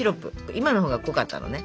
今のほうが濃かったのね。